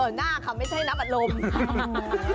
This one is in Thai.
หน้าค่ะไม่ใช่นับอารมณ์